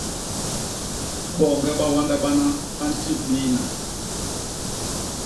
Boñge ba wanda bana ba ntip biina.